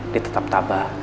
dia tetap tabah